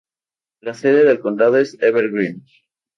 La sede de condado es Evergreen.